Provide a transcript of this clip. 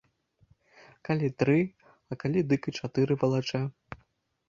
Калі тры, а калі дык і чатыры валачэ.